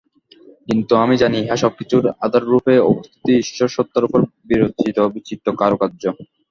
কিন্তু আমরা জানি, ইহা সবকিছুর আধাররূপে অবস্থিত ঈশ্বর-সত্তার উপর বিরচিত বিচিত্র কারুকার্য।